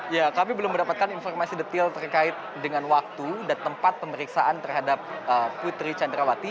ya kami belum mendapatkan informasi detail terkait dengan waktu dan tempat pemeriksaan terhadap putri candrawati